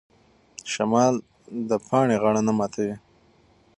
شمال د پاڼې غاړه نه ماتوي.